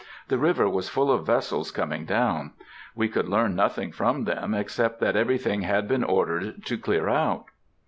The river was full of vessels coming down. We could learn nothing from them except that everything had been ordered to "clear out."